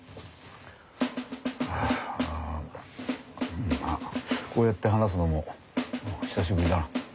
うんまあこうやって話すのもまあ久しぶりだな。